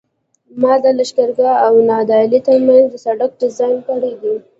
ما د لښکرګاه او نادعلي ترمنځ د سرک ډیزاین کړی دی